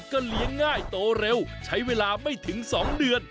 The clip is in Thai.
ก็เลี้ยงง่ายโตเร็วใช้เวลาไม่ถึง๒เดือน